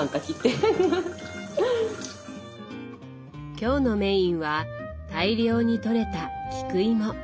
今日のメインは大量にとれた菊芋。